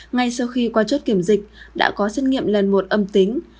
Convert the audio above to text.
ngay sau khi qua chốt kiểm dịch đã có xét nghiệm lần một âm tính